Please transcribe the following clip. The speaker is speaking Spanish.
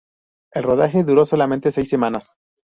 El rodaje duró solamente seis semanas.